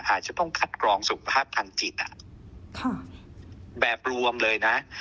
อาจจะต้องคัดกรองสุขภาพทางจิตแบบรวมเลยนะ